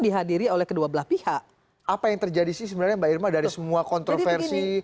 dihadiri oleh kedua belah pihak apa yang terjadi sih sebenarnya mbak irma dari semua kontroversi